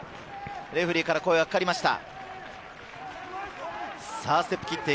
レフェリーから声がかかりました。